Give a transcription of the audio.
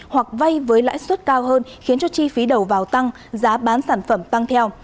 hoặc vay với lãi suất cao hơn khiến cho chi phí đầu vào tăng giá bán sản phẩm tăng theo